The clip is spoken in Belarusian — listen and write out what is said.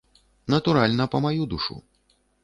Натуральна, па маю душу.